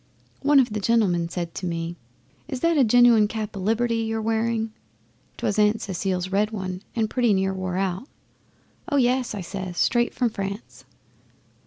One of the gentlemen said to me, "Is that a genuine cap o' Liberty you're wearing?" 'Twas Aunt Cecile's red one, and pretty near wore out. "Oh yes!" I says, "straight from France."